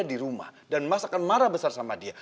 di rumah dan mas akan marah besar sama dia